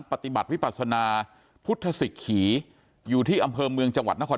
ปฏิบัติวิปัสนาพุทธศิกขีอยู่ที่อำเภอเมืองจังหวัดนคร